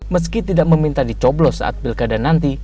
meski tidak meminta dicoblo saat bilkada nanti